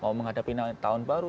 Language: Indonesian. mau menghadapi tahun baru